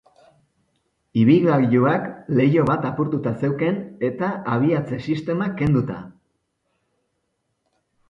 Ibilgailuak leiho bat apurtuta zeukan eta abiatze sistema kenduta.